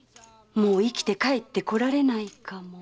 もう生きて帰ってこられないかも。